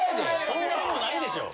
そんなことないでしょ。